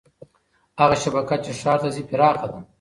هغه شبکه چې ښار ته ځي پراخه ده.